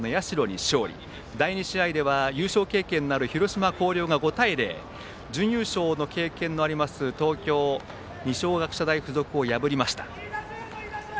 第２試合が優勝経験のある広島・広陵が５対０で準優勝の経験のある東京の二松学舎大付属を破りました。